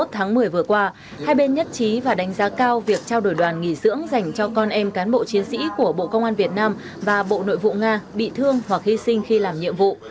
tháng một mươi vừa qua hai bên nhất trí và đánh giá cao việc trao đổi đoàn nghỉ dưỡng dành cho con em cán bộ chiến sĩ của bộ công an việt nam và bộ nội vụ nga bị thương hoặc hy sinh khi làm nhiệm vụ